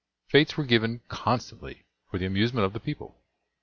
Fetes were given constantly for the amusement of the people.